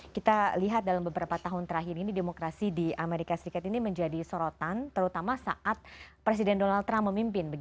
kita lihat dalam beberapa tahun terakhir ini demokrasi di amerika serikat ini menjadi sorotan terutama saat presiden donald trump memimpin